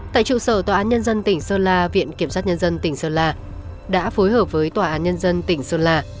tại trụ sở tòa án nhân dân tỉnh sơn la đã phối hợp với tòa án nhân dân tỉnh sơn la